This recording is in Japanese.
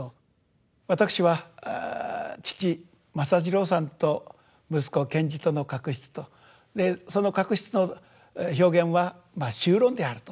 わたくしは父政次郎さんと息子賢治との確執とでその確執の表現は宗論であると。